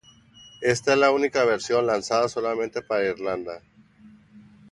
Esta es la única versión, lanzada solamente para Irlanda.